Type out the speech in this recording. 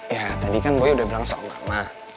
ya tadi kan boy udah bilang soal mama